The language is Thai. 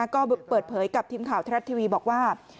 ก็เปิดเผยกับทีมข่าวทรัฐทีวีบอกว่า